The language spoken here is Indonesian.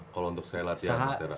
kalau untuk saya latihan secara